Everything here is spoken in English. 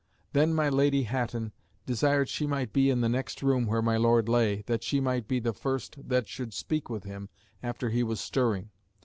Then my La. Hatton desired she might be in the next room where my Lord lay, that she might be the first that [should] speak with him after he was stirring.